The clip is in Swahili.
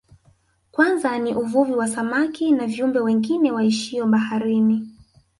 Kwanza ni uvuvi wa samaki na viumbe wengine waishio baharini